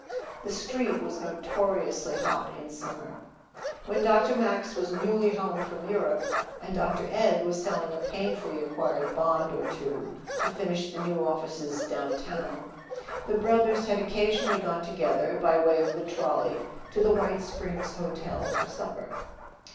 The Street was notoriously hot in summer. When Dr. Max was newly home from Europe, and Dr. Ed was selling a painfully acquired bond or two to furnish the new offices downtown, the brothers had occasionally gone together, by way of the trolley, to the White Springs Hotel for supper.